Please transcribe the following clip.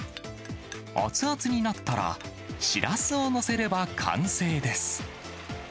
熱々になったら、シラスを載せれば完成です。